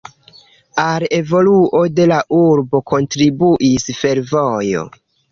Al evoluo de la urbo kontribuis fervojo.